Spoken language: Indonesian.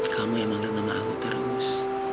kamu yang manggil nama aku terus